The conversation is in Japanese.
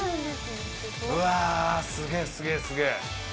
うわあ、すげえすげえすげえ。